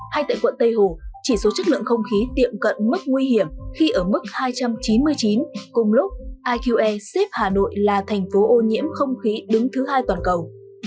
hay tại quận tây hồ chỉ số chất lượng không khí tiệm cận mức nguy hiểm khi ở mức hai trăm chín mươi chín cùng lúc iqe xếp hà nội là thành phố ô nhiễm không khí đứng thứ hai toàn cầu